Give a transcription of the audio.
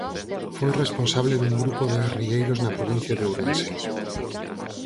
Foi responsable dun grupo de guerrilleiros na provincia de Ourense.